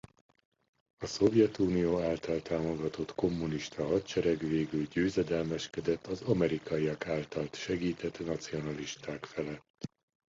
A Szovjetunió által támogatott kommunista hadsereg végül győzedelmeskedett az amerikaiak által segített nacionalisták felett.